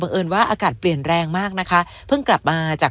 เอิญว่าอากาศเปลี่ยนแรงมากนะคะเพิ่งกลับมาจาก